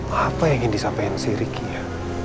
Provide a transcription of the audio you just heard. apa yang ingin disampaikan si ricky ya